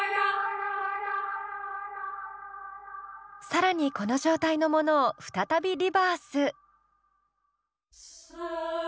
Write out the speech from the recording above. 更にこの状態のものを再びリバース。